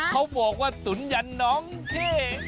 เขาบอกว่าตุ๋นยันน้องเท่